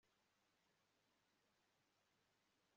byagenewe kubagirirakamaro